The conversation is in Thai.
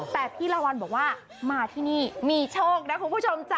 แต่พี่ละวันบอกว่ามาที่นี่มีโชคนะคุณผู้ชมจ้ะ